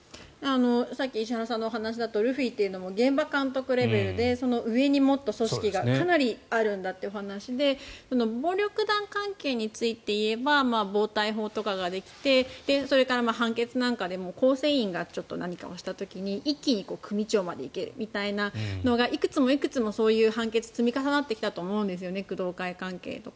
さっき石原さんのお話だとルフィは現場監督レベルでその上にもっと組織がかなりあるんだという話で暴力団関係について言えば暴対法とかができてそれから判決なんかでも構成員が何かをした時に一気に組長まで行けるというのがいくつもいくつもそういう判決が積み重なってきたと思うんですよね工藤会関係とか。